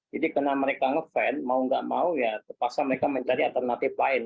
jadi karena mereka ngefan mau nggak mau ya terpaksa mereka mencari alternatif lain